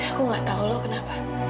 aku gak tahu lo kenapa